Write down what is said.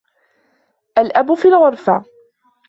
الأب في الغرفة.